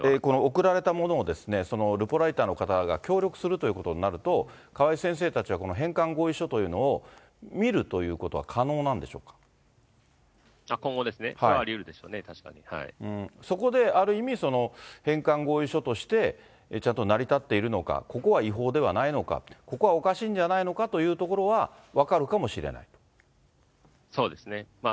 送られたものをルポライターの方が協力するということになると、川井先生たちはこの返還合意書というのを見るということは可能な今後ですね、それはありうるそこである意味、返還合意書としてちゃんと成り立っているのか、ここは違法ではないのか、ここはおかしいんじゃないのかというところは分かるかもしれないそうですね。